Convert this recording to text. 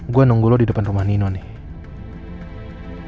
gue nunggu lo di depan rumah nino nih